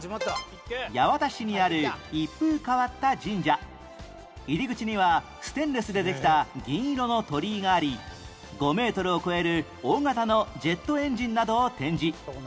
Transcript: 八幡市にある入り口にはステンレスでできた銀色の鳥居があり５メートルを超える大型のジェットエンジンなどを展示